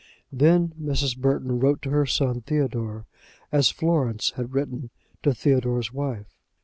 Then Mrs. Burton wrote to her son Theodore, as Florence had written to Theodore's wife.